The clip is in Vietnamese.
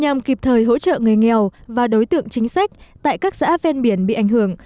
nhằm kịp thời hỗ trợ người nghèo và đối tượng chính sách tại các xã ven biển bị ảnh hưởng